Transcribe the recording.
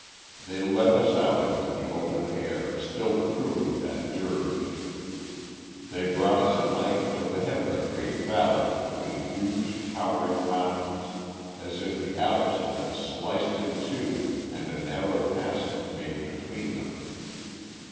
"They led us out into the open air, still crooning that dirge. They brought us at length to the head of a great valley between huge towering mountains, as if the Alps had been sliced in two and a narrow passage made between them.